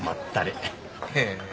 へえ。